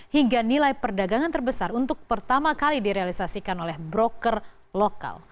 hingga nilai perdagangan terbesar untuk pertama kali direalisasikan oleh broker lokal